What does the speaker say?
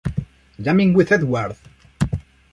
Jamming With Edward!